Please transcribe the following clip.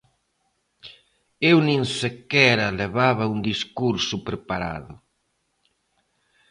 Eu nin sequera levaba un discurso preparado.